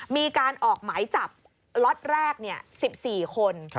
มีการออกหมายจับล็อตแรก๑๔คน